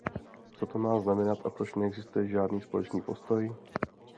Co to má znamenat a proč neexistuje žádný společný postoj?